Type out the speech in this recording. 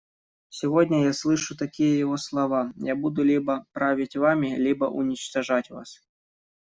Сегодня я слышу такие его слова: «Я буду либо править вами, либо уничтожать вас».